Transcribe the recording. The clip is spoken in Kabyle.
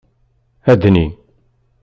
Adni.